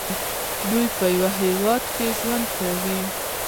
دوی په یو هیواد کې ژوند کوي.